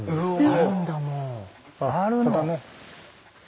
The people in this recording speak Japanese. あるんだ。